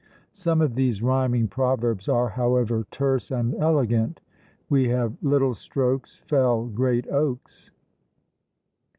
Some of these rhyming proverbs are, however, terse and elegant: we have Little strokes Fell great oaks.